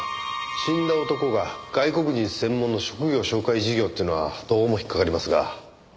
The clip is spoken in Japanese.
死んだ男が外国人専門の職業紹介事業っていうのはどうも引っかかりますが。